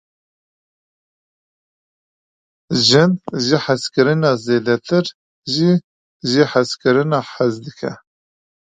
Jin; ji hezkirinê zêdetir, ji jêhezkirinê hez dike.